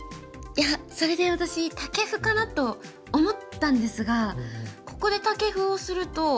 いやそれで私タケフかなと思ったんですがここでタケフをすると。